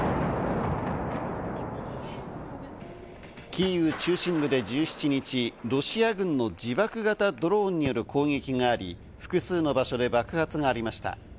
キーウ中心部で１７日、ロシア軍の自爆型ドローンによる攻撃があり、複数の場所で爆発がありました。